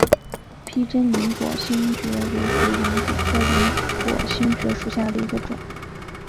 披针鳞果星蕨为水龙骨科鳞果星蕨属下的一个种。